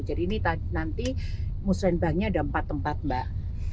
jadi ini nanti musrembangnya ada empat tempat mbak